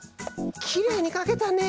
きれいにかけたね！